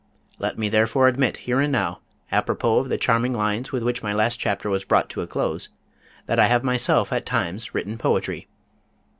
Let me therefore admit here and now, apropos of the charming lines with which my last chapter was brought to a close, that I have myself at times written poetry.